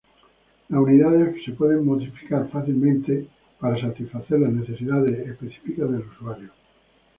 Las unidades pueden ser fácilmente modificadas para satisfacer las necesidades específicas del usuario.